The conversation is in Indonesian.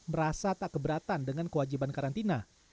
merasa tak keberatan dengan kewajiban karantina